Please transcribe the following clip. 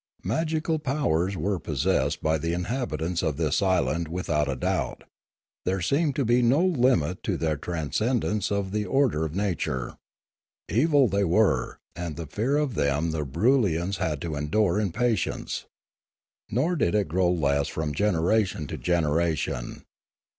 Magical powers were possessed by the inhabitants of this island without a doubt; there seemed to be no limit to their transcendence of the order of nature. Evil they were, and the fear of them the Broolyians had to endure in patience. Nor did it grow less from generation to generation.